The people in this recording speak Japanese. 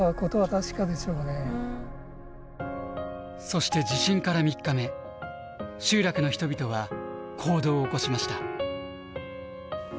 そして地震から３日目集落の人々は行動を起こしました。